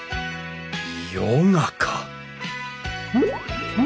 ヨガか！